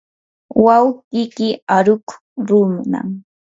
wawqiyki arukuq runam.